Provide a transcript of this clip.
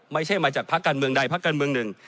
ไม่ใช่มาจากภาคการเมืองใดพักการเมืองหนึ่ง